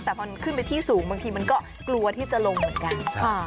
แต่พอขึ้นไปที่สูงบางทีมันก็กลัวที่จะลงเหมือนกัน